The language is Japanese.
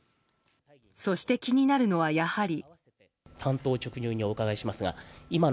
そして気になるのは、やはり。